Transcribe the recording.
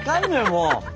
もう。